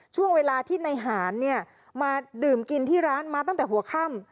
ช่วงเวลาที่ในหารเนี่ยมาดื่มกินที่ร้านมาตั้งแต่หัวค่ำ